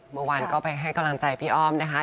เมื่อวานก็ไปให้กำลังใจพี่อ้อมนะคะ